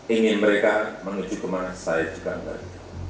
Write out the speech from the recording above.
ingin mereka menuju kemana saya juga enggak